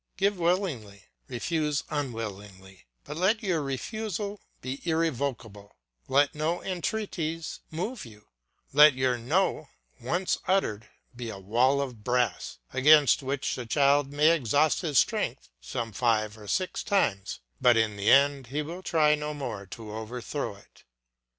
Give willingly, refuse unwillingly, but let your refusal be irrevocable; let no entreaties move you; let your "No," once uttered, be a wall of brass, against which the child may exhaust his strength some five or six times, but in the end he will try no more to overthrow it.